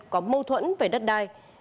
có mâu thuẫn về đất đai